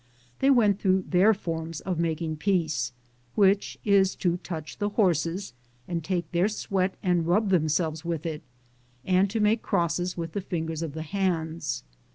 They went through their forma of making peace, which is to touch the horses and take their sweat and rub themselves with it, and to make crosses with the fingers of the hands.